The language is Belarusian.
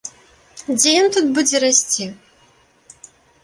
Дзе ён тут будзе расці?!